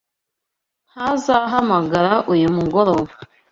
Ntazahamagara uyu mugoroba.